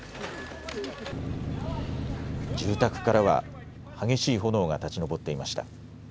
住宅からは激しい炎が立ち上っていました。